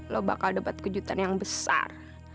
lo bakal dapat kejutan yang besar